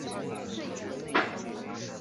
他在帕德龙的故居已辟为纪念馆。